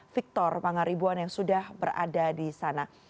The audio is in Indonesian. victor pangaribuan yang sudah berada di sana